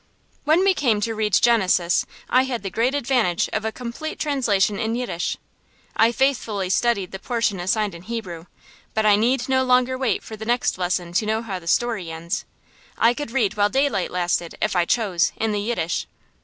When we came to read Genesis I had the great advantage of a complete translation in Yiddish. I faithfully studied the portion assigned in Hebrew, but I need no longer wait for the next lesson to know how the story ends. I could read while daylight lasted, if I chose, in the Yiddish.